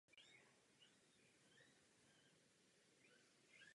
Během války přecházela veškerá moc do německých rukou.